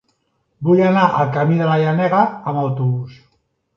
Vull anar al camí de la Llenega amb autobús.